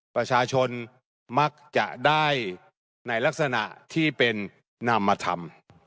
ประชาชนมักจะได้ในลักษณะที่เป็นนำมาทำ